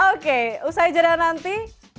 oke usai jadwal nanti